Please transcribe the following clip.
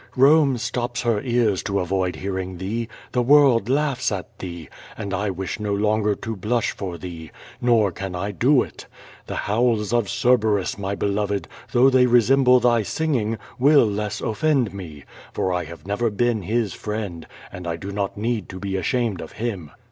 Home stops her ears to avoid hearing thee, the world laughs at thee, and I wish no longer to blush for thee, nor can I do it. The howls of Cerberus, my beloved, though they resemble thy singin^^ will less offend me, for I have never been his friend, and I do not need to be ashamed of him.